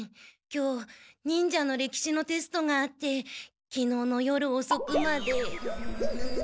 今日忍者の歴史のテストがあって昨日の夜おそくまで。